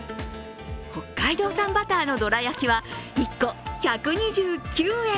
北海道産バターのどら焼きは１個１２９円。